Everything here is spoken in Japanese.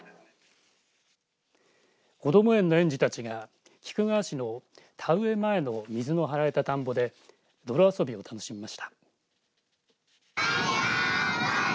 こども園の園児たちが菊川市の田植え前の水の張られた田んぼで泥遊びを楽しみました。